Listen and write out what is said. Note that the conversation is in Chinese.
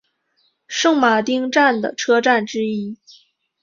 圣马丁站的车站之一。